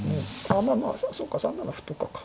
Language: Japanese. ああまあまあそうか３七歩とかか。